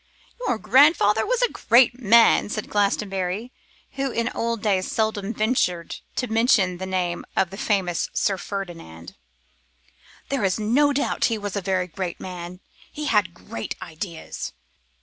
'Your grandfather was a great man,' said Glastonbury, who in old days seldom ventured to mention the name of the famous Sir Ferdinand: 'there is no doubt he was a very great man. He had great ideas.